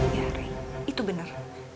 iya rey itu bener